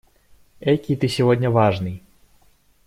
Экий ты сегодня важный!